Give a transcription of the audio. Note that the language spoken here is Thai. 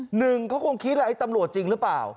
หนึ่งเขาคงคิดว่าไอ้ตำรวจจริงหรือเปล่า